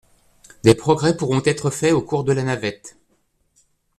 Des progrès pourront être faits au cours de la navette.